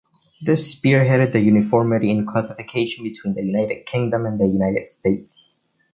This spearheaded the uniformity in classification between the United Kingdom and the United States.